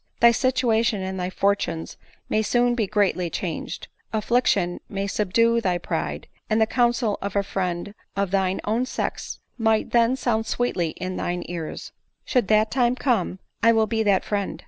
Thy situation and thy fortunes may soon be greatly changed ; affliction may subdue thy pride, and the counsel of a friend of thine own sex might then sound sweetly in thine ears. Should that time come, 1 will be that friend.